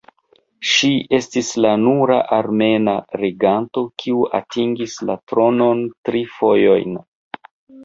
Ŝi estis la nura armena reganto kiu atingis la tronon tri fojojn.